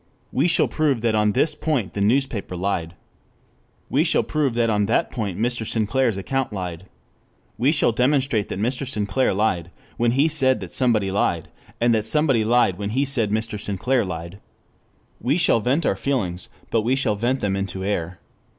We shall prove that on this point the newspaper lied. We shall prove that on that point Mr. Sinclair's account lied. We shall demonstrate that Mr. Sinclair lied when he said that somebody lied, and that somebody lied when he said Mr. Sinclair lied. We shall vent our feelings, but we shall vent them into air.